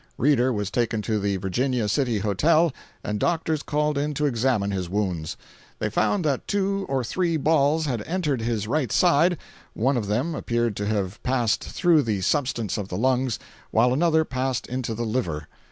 Reeder was taken to the Virginia City Hotel, and doctors called in to examine his wounds. They found that two or three balls had entered his right side; one of them appeared to have passed through the substance of the lungs, while another passed into the liver.